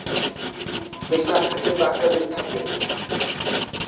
বিশাল আকৃতির বাসা বেঁধে থাকে।